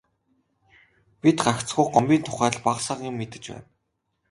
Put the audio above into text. Бид гагцхүү Гомбын тухай л бага сага юм мэдэж байна.